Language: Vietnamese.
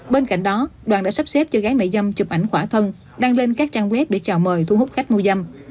bên cạnh đó đoàn đã sắp xếp cho gái mại dâm chụp ảnh khỏa thân đăng lên các trang web để chào mời thu hút khách mua dâm